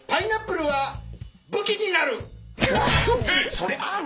それある！」